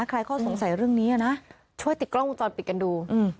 ใครเข้าสงสัยเรื่องนี้อะนะช่วยติดกล้องตอนปิดกันดูอืม